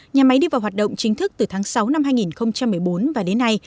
nhà máy đi vào hoạt động chính thức từ tháng sáu năm hai nghìn một mươi bốn và đến nay